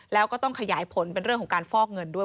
แล้วก็ต้องขยายผลเป็นเรื่องของการฟอกเงินด้วย